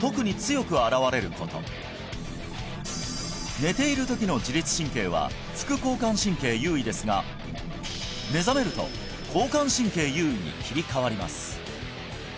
寝ている時の自律神経は副交感神経優位ですが目覚めると交感神経優位に切り替わります